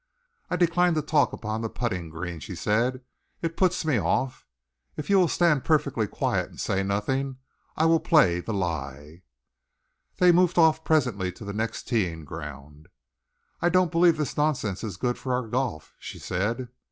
"I decline to talk upon the putting green," she said. "It puts me off. If you will stand perfectly quiet and say nothing, I will play the like." They moved off presently to the next teeing ground. "I don't believe this nonsense is good for our golf," she said.